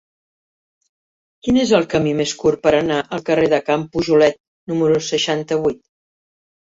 Quin és el camí més curt per anar al carrer de Can Pujolet número seixanta-vuit?